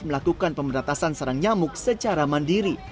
melakukan pemberatasan serang nyamuk secara mandiri